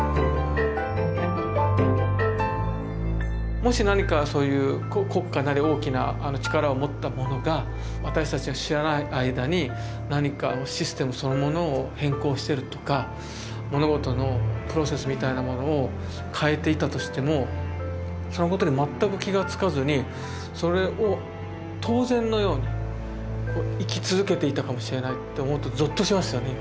もし何かそういう国家なり大きな力を持った者が私たちが知らない間に何かシステムそのものを変更してるとか物事のプロセスみたいなものを変えていったとしてもそのことに全く気が付かずにそれを当然のように生き続けていたかもしれないって思うとぞっとしますよね。